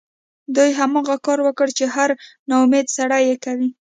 دوی هماغه کار وکړ چې هر ناامیده سړی یې کوي